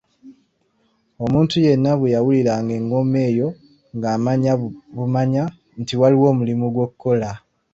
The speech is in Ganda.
Omuntu yenna bwe yawuliranga engoma eyo ng'amanya bumanya nti waliwo omulimu ogw'okukola.